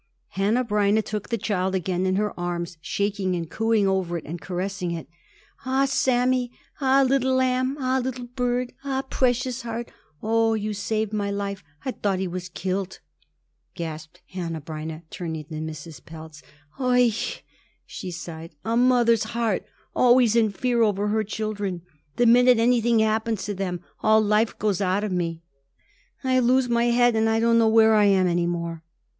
Hanneh Breineh took the child again in her arms, shaking and cooing over it and caressing it. "Ah ah ah, Sammy! Ah ah ah ah, little lamb! Ah ah ah, little bird! Ah ah ah ah, precious heart! Oh, you saved my life; I thought he was killed," gasped Hanneh Breineh, turning to Mrs. Pelz. "Oi i!" she sighed, "a mother's heart! always in fear over her children. The minute anything happens to them all life goes out of me. I lose my head and I don't know where I am any more."